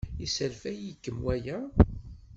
Yesserfay-ikem waya?